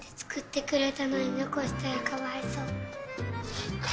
そっか。